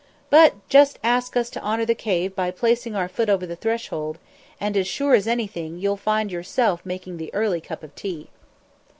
But just ask us to honour the cave by placing our foot over the threshold, and as sure as anything, you'll find yourself making the early cup of tea."